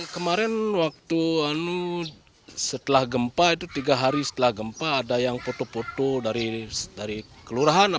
kemarin waktu setelah gempa itu tiga hari setelah gempa ada yang foto foto dari kelurahan